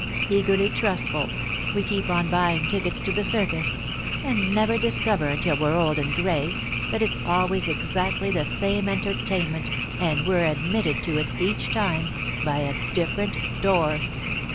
Eagerly trustful, we keep on buying tickets to the circus, and never discover until we're old and grey, that it's always exactly the same entertainment, and we're admitted to it, each time, by a different door.